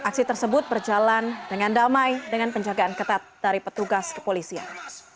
aksi tersebut berjalan dengan damai dengan penjagaan ketat dari petugas kepolisian